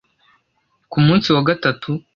Ku munsi wa gatatu